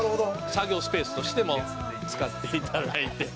「作業スペースとしても使っていただいてと」